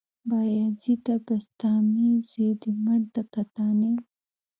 بايزيده بسطامي، زوى دې مړ د کتاني